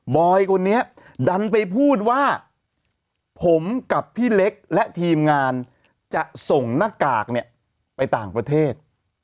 อยคนนี้ดันไปพูดว่าผมกับพี่เล็กและทีมงานจะส่งหน้ากากเนี่ยไปต่างประเทศ